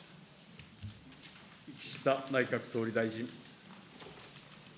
岸田内閣総理大臣。